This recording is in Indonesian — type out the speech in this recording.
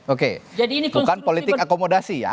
oke bukan politik akomodasi ya